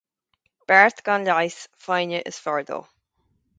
Beart gan leigheas, foighne is fearr dó.